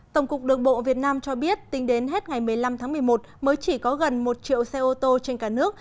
tổng cục đường bộ việt nam cho biết tính đến hết ngày một mươi năm tháng một mươi một mới chỉ có gần một triệu xe ô tô trên cả nước